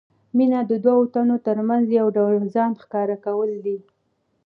مینه د دوو تنو ترمنځ یو ډول ځان ښکاره کول دي.